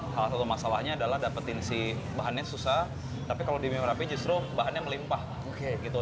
salah satu masalahnya adalah dapetin si bahannya susah tapi kalau di mie merapi justru bahannya melimpah gitu